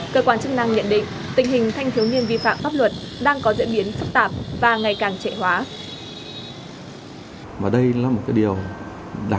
cơ quan chức năng nhận định tình hình thanh thiếu niên vi phạm pháp luật đang có diễn biến phức tạp và ngày càng trẻ hóa